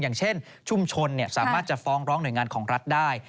อย่างเช่นชุมชนสามารถจะฟ้องร้องหน่วยงานของรัฐได้